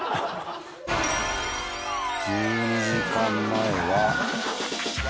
１２時間前は。